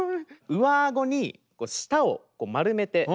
上あごに舌を丸めて。